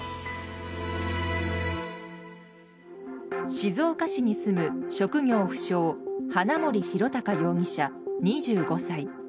静岡市に住む職業不詳花森弘卓容疑者、２５歳。